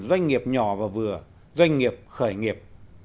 doanh nghiệp nhỏ và vừa doanh nghiệp khởi nghiệp